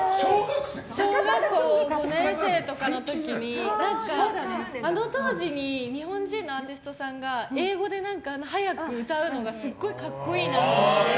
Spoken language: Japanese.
小学校５年生とかの時にあの当時に日本人のアーティストさんが英語で早く歌うのがすごく格好良くて。